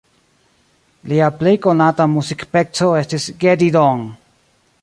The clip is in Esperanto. Lia plej konata muzikpeco estis "Get It On".